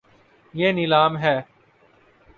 یے نیلا م ہے